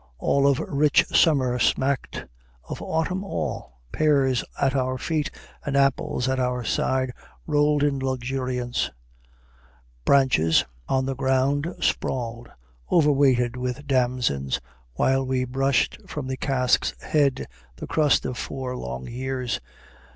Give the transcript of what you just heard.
All of rich summer smacked, of autumn all: Pears at our feet, and apples at our side Rolled in luxuriance; branches on the ground Sprawled, overweighted with damsons; while we brushed From the cask's head the crust of four long years.